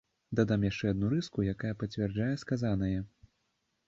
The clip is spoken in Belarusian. Дадам яшчэ адну рыску, якая пацвярджае сказанае.